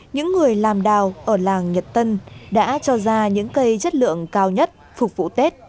những người làm đào ở làng nhật tân đã cho ra những cây chất lượng cao nhất phục vụ tết